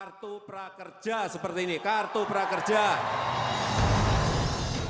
kartu prakerja seperti ini kartu prakerja